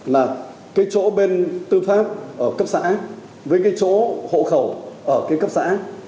là cái chỗ bên tư pháp ở cấp xã với cái chỗ hộ khẩu ở cái cấp xã